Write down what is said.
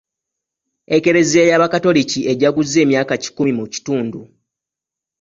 Ekereziya y'Abakatoliki ejaguza emyaka kikumi mu kitundu.